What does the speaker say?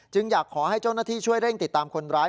อยากขอให้เจ้าหน้าที่ช่วยเร่งติดตามคนร้าย